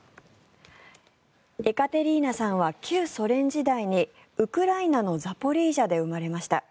エカテリーナさんは旧ソ連時代にウクライナのザポリージャで生まれました。